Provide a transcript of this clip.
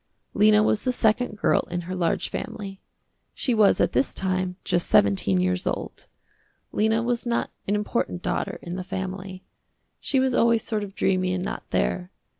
Lena was the second girl in her large family. She was at this time just seventeen years old. Lena was not an important daughter in the family. She was always sort of dreamy and not there.